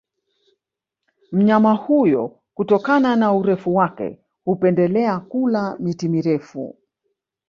Mnyama huyo kutokana na urefu wake hupendelea kula miti mirefu